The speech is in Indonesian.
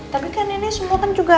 tapi kan ini semua kan juga